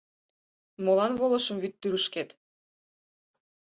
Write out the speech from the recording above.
Молан волышым вӱдтӱрышкет?